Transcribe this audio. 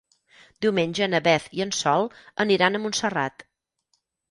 Diumenge na Beth i en Sol aniran a Montserrat.